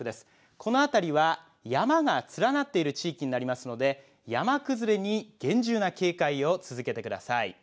この辺りは山が連なっている地域になりますので山崩れに厳重な警戒を続けてください。